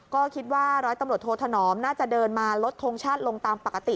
ก็คิดว่าร้อยตำรวจโทธนอมน่าจะเดินมาลดทงชาติลงตามปกติ